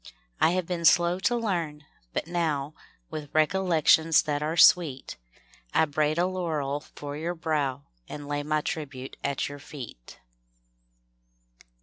I have been slow to learn, but now, With recollections ■ that are sweet, I braid a laurel for your brow And lay my tribute at your eet.